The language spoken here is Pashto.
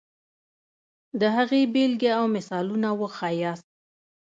د هغې بېلګې او مثالونه وښیاست.